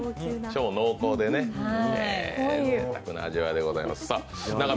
超濃厚でね、ぜいたくな味わいでございます。